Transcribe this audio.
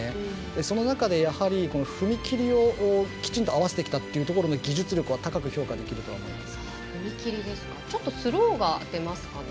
その中で、踏み切りをきちんと合わせてきたというところの技術力は高く評価できる思います。